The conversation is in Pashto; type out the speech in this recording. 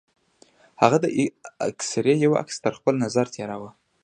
هغه د اکسرې يو عکس تر خپل نظره تېراوه.